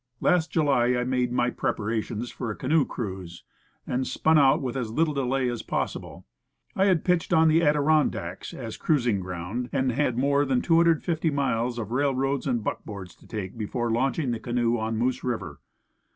Last July I made my preparations for a canoe cruise, and spun out with as little delay as possible. I had pitched on the Adirondacks as a cruising ground, and had more than 250 miles of railroads and buckboards to take, before launching tne canoe on Moose River.